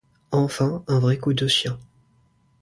Enfin, un vrai coup de chien.